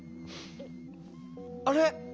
あれ？